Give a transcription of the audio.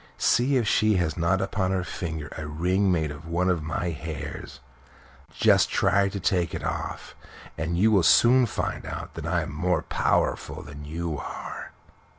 See if she has not upon her finger a ring made of one of my hairs. Just try to take it off, and you will soon find out that I am more powerful than you are!"